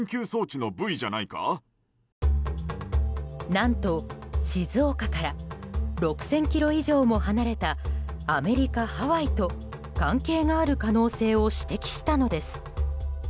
何と、静岡から６０００ｋｍ以上も離れたアメリカ・ハワイと関係がある可能性を指摘したのです。